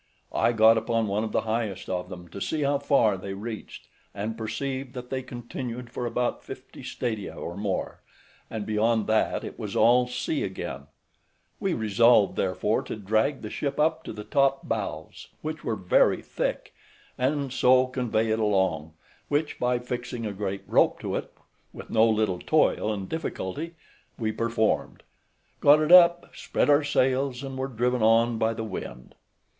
I got upon one of the highest of them, to see how far they reached, and perceived that they continued for about fifty stadia or more, and beyond that it was all sea again; we resolved therefore to drag the ship up to the top boughs, which were very thick, and so convey it along, which, by fixing a great rope to it, with no little toil and difficulty, we performed; got it up, spread our sails, and were driven on by the wind.